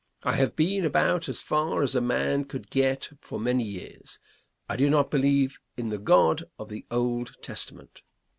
I have been about as far as a man could get for many years. I do not believe in the God of the Old Testament.